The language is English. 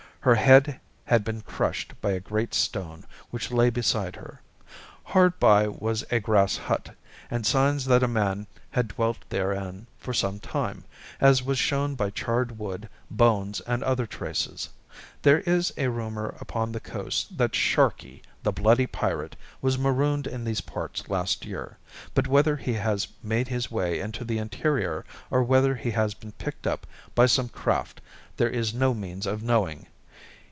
Her head had been crushed by a great stone which lay beside her. Hard by was a grass hut, and signs that a man had dwelt therein for some time, as was shown by charred wood, bones and other traces. There is a rumour upon the coast that Sharkey, the bloody pirate, was marooned in these parts last year, but whether he has made his way into the interior, or whether he has been picked up by some craft, there is no means of knowing.